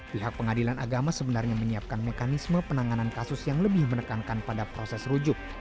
pihak pengadilan agama sebenarnya menyiapkan mekanisme penanganan kasus yang lebih menekankan pada proses rujuk